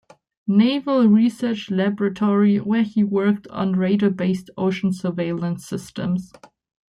Naval Research Laboratory where he worked on radar-based ocean surveillance systems.